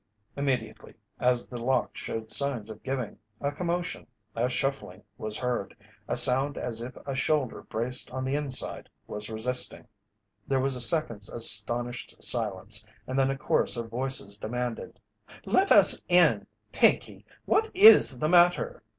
Immediately, as the lock showed signs of giving, a commotion, a shuffling, was heard, a sound as if a shoulder braced on the inside was resisting. There was a second's astonished silence and then a chorus of voices demanded: "Let us in! Pinkey! What is the matter?"